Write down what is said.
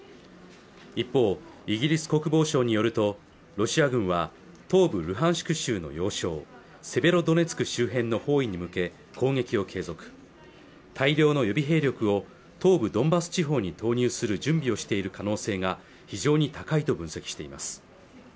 一方イギリス国防省によるとロシア軍は東部ルハンシク州の要衝セベロドネツク周辺の包囲に向け攻撃を継続大量の予備兵力を東部ドンバス地方に投入する準備をしている可能性が非常に高いと分析しています